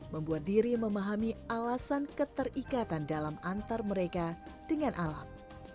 membuat diri memahami alasan keterikatan dalam antar mereka dengan alam